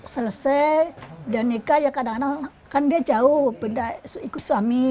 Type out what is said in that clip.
selesai dia nikah ya kadang kadang kan dia jauh beda ikut suami